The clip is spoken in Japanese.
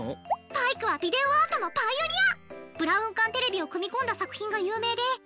パイクはビデオアートのパイオニア！